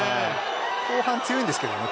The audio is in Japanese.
後半、強いんですけどね。